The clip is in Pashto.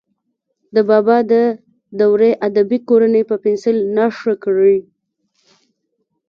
د بابا د دورې ادبي کورنۍ په پنسل نښه کړئ.